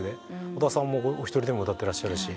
小田さんもお一人でも歌ってらっしゃるし。